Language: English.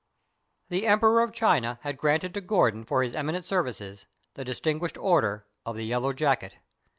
] The Emperor of China had granted to Gordon for his eminent services the distinguished order of the Yellow Jacket.